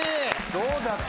どうだった？